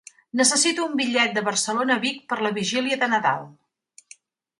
Necessito un bitllet de Barcelona a Vic per la Vigília de Nadal.